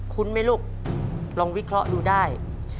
คุ้นมั้ยลุกร้องวิเคราะห์ดูได้